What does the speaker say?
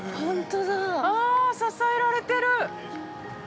ああ、支えられてる。